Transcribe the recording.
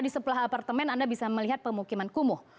di sebelah apartemen anda bisa melihat pemukiman kumuh